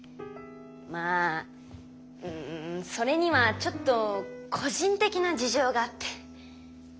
まあうんそれにはちょっと個人的な事情があって。